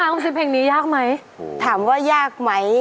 เก่ามาก